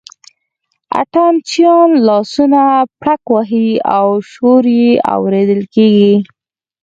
اتڼ چیان لاسونه پړک وهي او شور یې اورېدل کېږي.